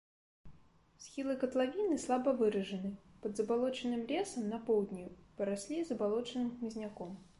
Схілы катлавіны слаба выражаны, пад забалочаным лесам, на поўдні параслі забалочаным хмызняком.